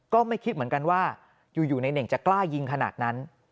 ก็ไม่คิดเหมือนกันว่าอยู่ในเน่งจะกล้ายิงขนาดนั้น